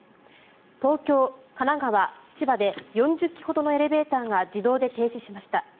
東京、神奈川、千葉で４０基ほどのエレベーターが自動で停止しました。